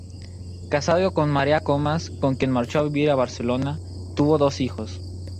Casado con Maria Comas, con quien marchó a vivir a Barcelona, tuvo dos hijos.